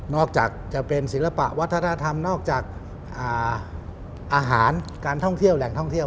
อกจากจะเป็นศิลปะวัฒนธรรมนอกจากอาหารการท่องเที่ยวแหล่งท่องเที่ยว